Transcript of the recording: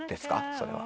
それは。